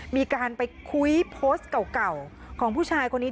มีการไปคุยโพสต์เก่าของผู้ชายคนนี้